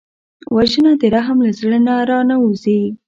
وژنه د رحم له زړه نه را نهوزي